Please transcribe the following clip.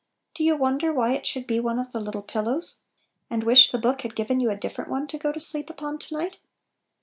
do you wonder why it should be one of the "little pillows," and wish the book had given you a different one to go to sleep upon to night?